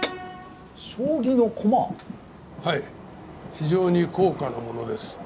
非常に高価なものです。